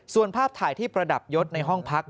ส่วนภาพถ่ายที่ประดับยศในห้องพัก